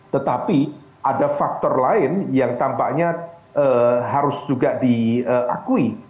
tetapi ada faktor lain yang tampaknya harus juga diakui